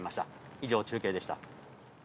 以上、中継でした。